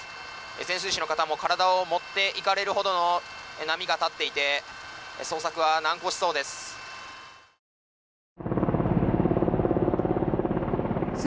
潜水士の方も体を持っていかれるほどの波が立っていて捜索は難航しそうです。